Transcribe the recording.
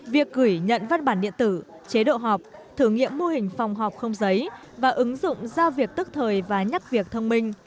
việc gửi nhận văn bản điện tử chế độ họp thử nghiệm mô hình phòng họp không giấy và ứng dụng giao việc tức thời và nhắc việc thông minh